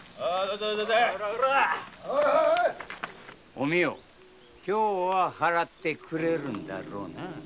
おみよ今日は払ってくれるんだろうな。